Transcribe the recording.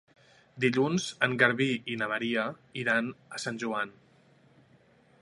Dilluns en Garbí i na Maria iran a Sant Joan.